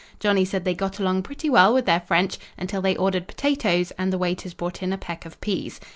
Johnny said they got along pretty well with their French until they ordered potatoes and the waiters brought in a peck of peas.